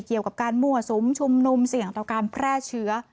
เกี่ยวกับการมั่วสุมชุมนุมเสี่ยงต่อการแพร่เชื้อ